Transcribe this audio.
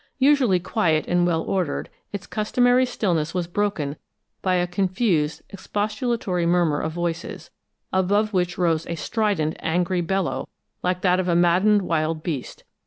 Usually quiet and well ordered, its customary stillness was broken by a confused, expostulatory murmur of voices, above which rose a strident, angry bellow, like that of a maddened wild beast.